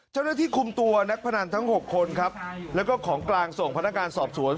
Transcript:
เจ้าหน้าที่คุมตัวนักพนันทั้ง๖คนครับแล้วก็ของกลางส่งพนักงานสอบสวน